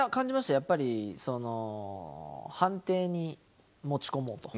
やっぱり、判定に持ち込もうと。